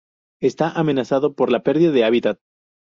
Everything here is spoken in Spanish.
Está amenazado por la perdida de hábitat.